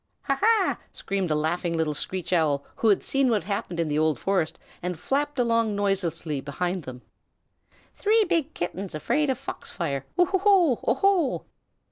"Ha ha!" screamed a laughing little Screech Owl, who had seen what had happened in the old forest road and flapped along noiselessly behind them. "Three big Kittens afraid of fox fire! O ho! O ho!"